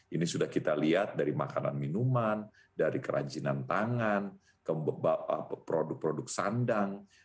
ini sudah kita lihat dari makanan minuman dari kerajinan tangan produk produk sandang